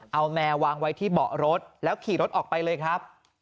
เอาแมววางไว้ที่เบาะรถแล้วขี่รถออกไปเลยครับ